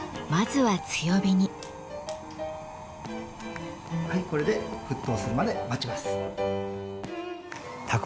はいこれで沸騰するまで待ちます。